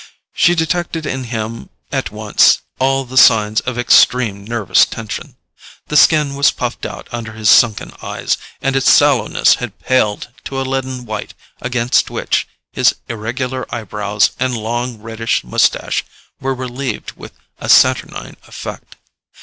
She detected in him at once all the signs of extreme nervous tension. The skin was puffed out under his sunken eyes, and its sallowness had paled to a leaden white against which his irregular eyebrows and long reddish moustache were relieved with a saturnine effect.